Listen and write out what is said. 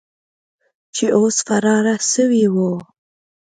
چې اوس فراره سوي وو.